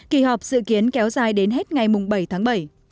kỳ họp dự kiến kéo dài đến hết ngày bảy tháng bảy